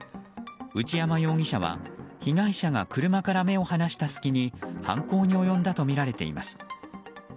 内山容疑者は被害者が車から目を離した隙に犯行に及んだとみられています。